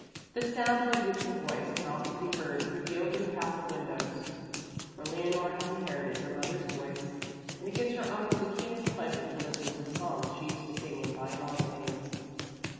The sound of a beautiful voice can often be heard through the open castle windows, for Leonore has inherited her mother's voice, and it gives her uncle the keenest pleasure to listen to the songs she used to sing in bygone days.